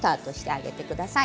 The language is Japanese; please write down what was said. あげてください。